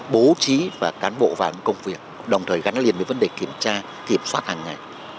bố trí và cán bộ vào những công việc đồng thời gắn liền với vấn đề kiểm tra kiểm soát hàng ngày